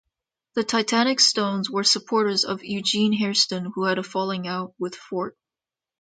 The Titanic Stones were supporters of Eugene Hairston who had a falling-out with Fort.